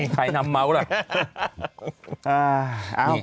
ใครนำเมาส์ล่ะ